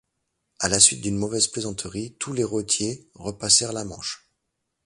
À la suite d'une mauvaise plaisanterie, tous les Roëttiers repassèrent la Manche.